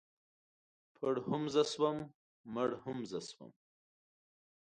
پړ هم زه شوم مړ هم زه شوم.